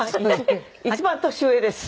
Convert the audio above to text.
一番年上です。